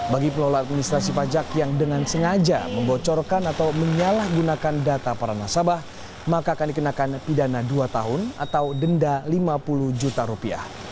bagi pelola administrasi pajak yang dengan sengaja membocorkan atau menyalahgunakan data para nasabah maka akan dikenakan pidana dua tahun atau denda lima puluh juta rupiah